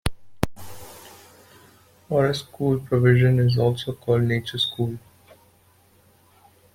Forest school provision is also called "nature schools".